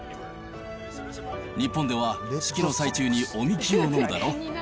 日本では、式の最中にお神酒を飲むだろ。